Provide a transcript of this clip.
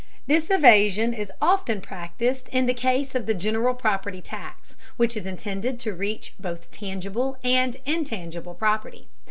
This evasion is often practiced in the case of the general property tax, which is intended to reach both tangible and intangible property.